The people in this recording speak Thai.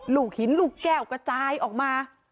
ลูกหินลูกแก้วกระจายออกมา